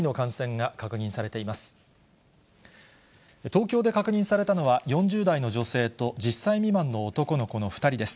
東京で確認されたのは、４０代の女性と１０歳未満の男の子の２人です。